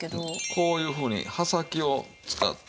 こういうふうに刃先を使って。